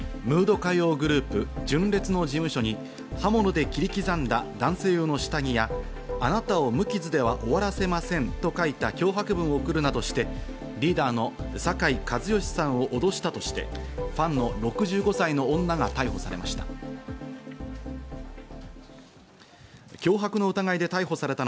歌謡グループ・純烈の事務所に刃物で切り刻んだ男性用の下着や、あなたを無傷では終わらせませんと書いた脅迫文を送るなどして、リーダーの酒井一圭さんを脅したとして、ファンの６５歳の女が逮捕されました。